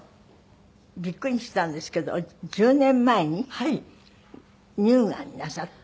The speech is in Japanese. びっくりしたんですけど１０年前に乳がんなさって。